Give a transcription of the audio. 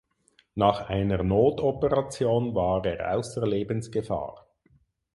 Nach einer Notoperation war er außer Lebensgefahr.